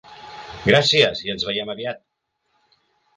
Gràcies i ens veiem aviat!